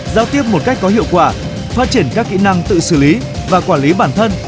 giao tiếp một cách có hiệu quả phát triển các kỹ năng tự xử lý và quản lý bản thân